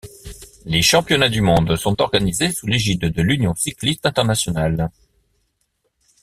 Les championnats du monde sont organisés sous l'égide de l'Union cycliste internationale.